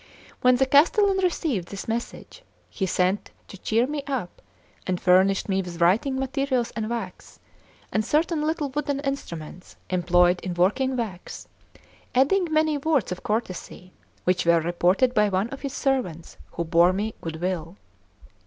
When the castellan received this message, he sent to cheer me up, and furnished me with writing materials and wax, and certain little wooden instruments employed in working wax, adding many words of courtesy, which were reported by one of his servants who bore me good will.